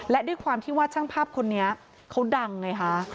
และด้วยความที่ว่าช่างภาพคนนี้เขาดังไงคะ